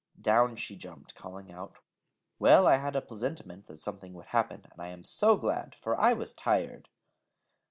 Down she jumped, calling out: 'Well, I had a plesentiment that something would happen, and I am so glad, for I was tired!'